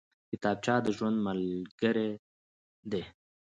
کتابچه د ژوند ملګرې ده